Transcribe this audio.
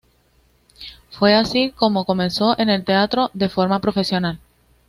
Fue así como comenzó en el teatro de forma profesional.